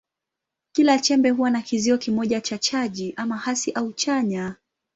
Kila chembe huwa na kizio kimoja cha chaji, ama hasi au chanya.